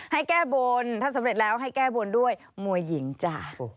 ให้แก้บนถ้าสำเร็จแล้วให้แก้บนด้วยมวยหญิงจ้ะ